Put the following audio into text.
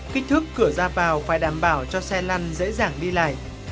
kích thước cửa ra vào phải đảm bảo cho xe lăn dễ dàng đi lại